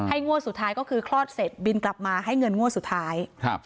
งวดสุดท้ายก็คือคลอดเสร็จบินกลับมาให้เงินงวดสุดท้ายครับ